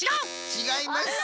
ちがいます。